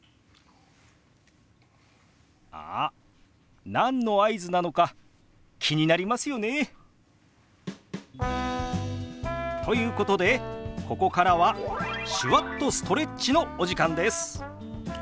あっ何の合図なのか気になりますよね？ということでここからは手話っとストレッチのお時間です。